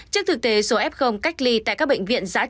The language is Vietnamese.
trước thực tế số f cách ly tại các bệnh viện giá trị